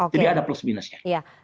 jadi ada plus minusnya